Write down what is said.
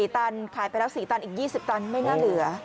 ตันขายไปแล้ว๔ตันอีก๒๐ตันไม่น่าเหลือ